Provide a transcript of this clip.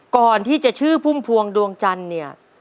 ก่อนที่จะชื่อพุ่มพวงดวงจันทร์เนี่ย